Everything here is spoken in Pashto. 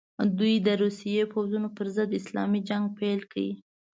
دوی د روسي پوځونو پر ضد اسلامي جنګ پیل کړي.